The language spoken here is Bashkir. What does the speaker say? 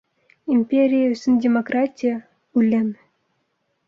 Империя өсөн демократия - үлем!